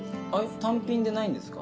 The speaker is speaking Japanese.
単品でないんですか？